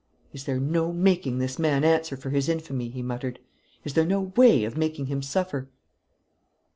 "Is there no making this man answer for his infamy?" he muttered. "Is there no way of making him suffer?"